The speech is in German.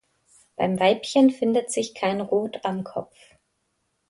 Beim Weibchen findet sich kein Rot am Kopf.